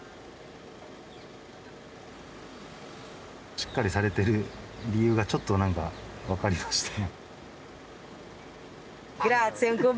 しっかりされてる理由がちょっと何か分かりましたね。